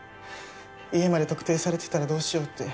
家まで特定されてたらどうしようって。